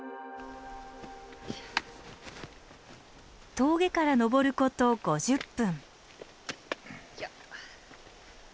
峠から登ること５０分。